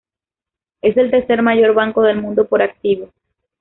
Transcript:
Es el tercer mayor banco del mundo por activos.